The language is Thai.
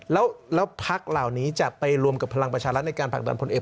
แล้วพักเหล่านี้จะไปรวมกับพลังประชารัฐในการผลักดันพลเอก